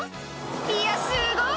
いやすごい！